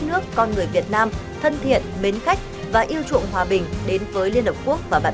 nước con người việt nam thân thiện mến khách và yêu chuộng hòa bình đến với liên hợp quốc và bạn